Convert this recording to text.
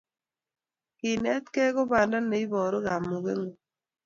Kenetkei ko panda neiporu kamugengung